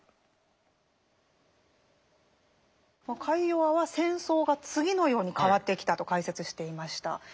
カイヨワは戦争が次のように変わってきたと解説していました。